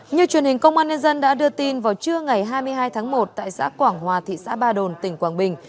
như truyền hình công an nhân dân đã đưa tin vào trưa ngày hai mươi hai tháng một tại xã quảng hòa thị xã ba đồn tỉnh quảng bình